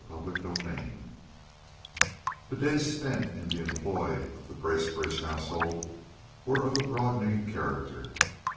CHAPTER XIV The days spent in the employ of the Bracebridge household were of a broadening character.